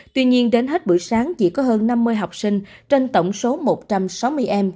tuy nhiên đến hết buổi sáng chỉ có hơn năm mươi học sinh trên tổng số một trăm sáu mươi em